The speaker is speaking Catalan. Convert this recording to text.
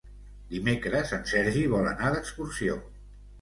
Dimecres en Sergi vol anar d'excursió.